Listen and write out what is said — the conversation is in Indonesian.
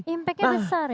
impactnya besar ya